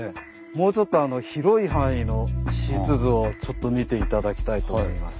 もうちょっと広い範囲の地質図を見て頂きたいと思います。